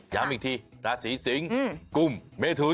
ย้ำอีกทีราศีสิงกุมเมทุน